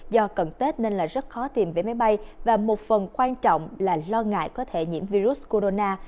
do cận tết nên là rất khó tìm vé máy bay và một phần quan trọng là lo ngại có thể nhiễm virus corona